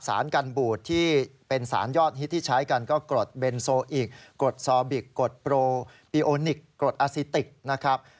สารกันบูดที่เป็นสารยอดฮิตที่ใช้กันก็กรดเบนโซอิกกรดซอบิกกดโปรปีโอนิกรดอาซิติกนะครับ